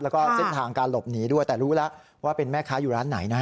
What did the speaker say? แล้วก็เส้นทางการหลบหนีด้วยแต่รู้แล้วว่าเป็นแม่ค้าอยู่ร้านไหนนะฮะ